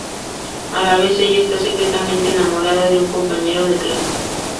A la vez ella está secretamente enamorada de un compañero de clase.